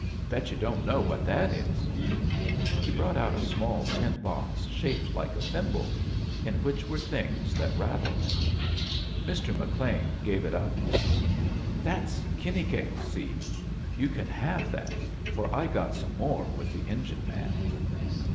Bet you don't know what that isl" He brought out a small tin box shaped like a thimble, in which were things that rattled. Mr. McLean gave H up. "That's kinni fcinnic seed. You can have that, for I got some more with the engine man."